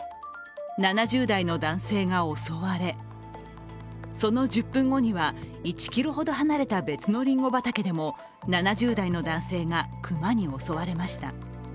７０代の男性が襲われ、その１０分後には１ｋｍほど離れた別のりんご畑でも７０代の男性が熊に襲われました。